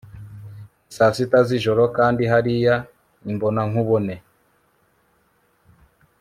ni saa sita z'ijoro kandi hariya, imbonankubone